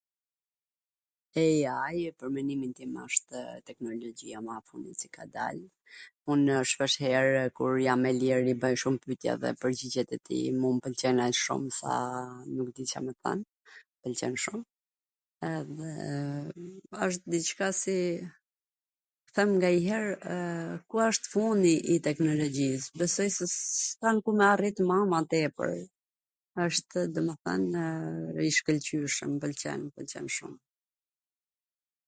Ei ai pwr mendimin tim ashtw teknologjia ma e funit qw ka dal, unw shpeshherw kur jam e lir, i bwj shum pytje edhe pwrgjigjet e tij mu m pwlqejn aq shum sa nuk di Ca me t than, m pwlqen shum edhe wsht dicka si..., them nganjher ky asht fundi i teknologjis, besoj se s kan ku me arrit ma tepwr... wshtw njw gjw e shlwlqyer, m pwlqen m pwlqen shum.